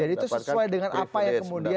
jadi itu sesuai dengan apa ya kemudian